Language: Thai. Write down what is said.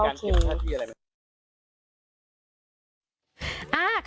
แล้วมีการเก็บท่าที่อะไรไหม